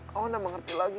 kau sudah mengerti lagi